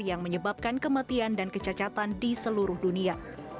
yang menyebabkan kematian dan kecacatan di seluruh dunia